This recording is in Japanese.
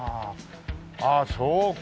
ああそうか。